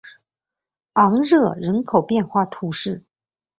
昂热人口变化图示